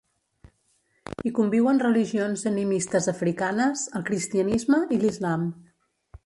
Hi conviuen religions animistes africanes, el cristianisme i l'islam.